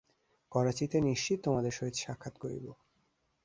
করাচিতে নিশ্চিত তোমাদের সহিত সাক্ষাৎ করিব।